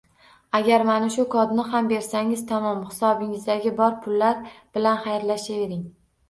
Agar mana shu kodni ham bersangiz tamom, hisobingizda bor pullar bilan xayrlashavering.